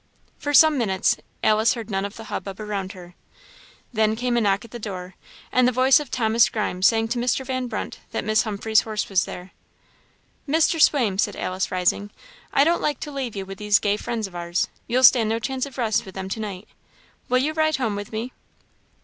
For some minutes Alice heard none of the hubbub around her. Then came a knock at the door, and the voice of Thomas Grimes saying to Mr. Van Brunt that Miss Humphreys' horse was there. "Mr. Swaim," said Alice, rising, "I don't like to leave you with these gay friends of ours; you'll stand no chance of rest with them to night. Will you ride home with me?"